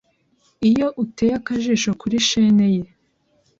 Iyo utereye akajisho kuri shene ye